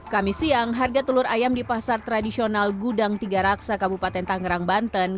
kami siang harga telur ayam di pasar tradisional gudang tiga raksa kabupaten tangerang banten